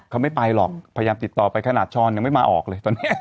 เขาไม่ไปหรอกพยายามติดต่อไปขนาดช้อนยังไม่มาออกเลยตอนนี้